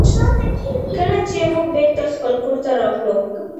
کله چې موږ بېرته خپل کور ته راغلو.